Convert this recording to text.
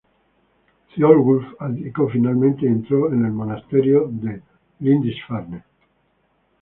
Ceolwulf abdicó finalmente y entró el monasterio en Lindisfarne.